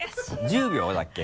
１０秒だっけ？